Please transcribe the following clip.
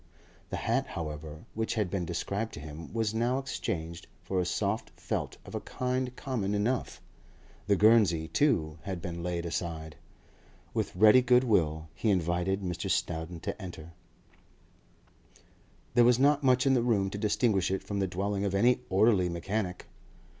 The hat, however, which had been described to him, was now exchanged for a soft felt of a kind common enough; the guernsey, too, had been laid aside. With ready goodwill he invited Mr. Snowdon to enter. There was not much in the room to distinguish it from the dwelling of any orderly mechanic.